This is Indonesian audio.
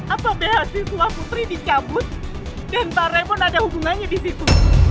apa beasiswa putri dicabut dan pak remon ada hubungannya di situ